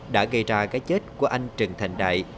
đã gây ra cái chết của anh trần thành đại